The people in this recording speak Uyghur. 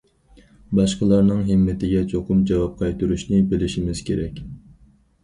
باشقىلارنىڭ ھىممىتىگە چوقۇم جاۋاب قايتۇرۇشنى بىلىشىمىز كېرەك.